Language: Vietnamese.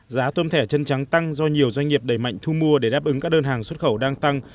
giá tôm thẻ chân trắng tăng do nhiều doanh nghiệp đẩy mạnh thu mua để đáp ứng các đơn hàng xuất khẩu đang tăng